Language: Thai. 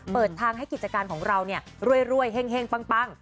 เปิดทางให้กิจการของเรารวยเฮ่งปัง